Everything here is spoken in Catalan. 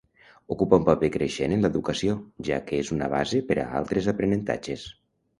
Ocupa un paper creixent en l'educació, ja que és una base per a altres aprenentatges.